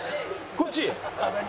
こっち？